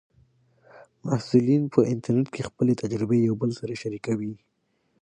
محصلین په انټرنیټ کې خپلې تجربې یو بل سره شریکوي.